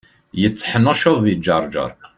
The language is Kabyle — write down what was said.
Yetteḥnuccuḍ di Ǧerǧer.